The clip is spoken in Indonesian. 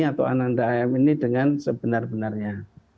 atau ananda am ini dengan sebenar benarnya